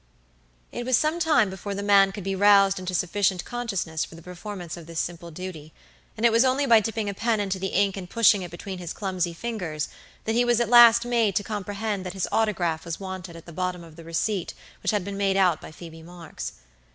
It was some time before the man could be roused into sufficient consciousness for the performance of this simple duty, and it was only by dipping a pen into the ink and pushing it between his clumsy fingers, that he was at last made to comprehend that his autograph was wanted at the bottom of the receipt which had been made out by Phoebe Marks.